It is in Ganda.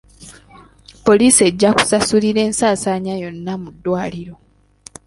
Poliisi ejja kusasulira ensaasaanya yonna mu ddwaliro.